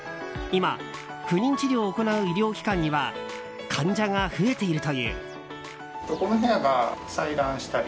今、不妊治療を行う医療機関には患者が増えているという。